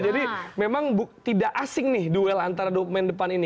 jadi memang tidak asing nih duel antara dua pemain depan ini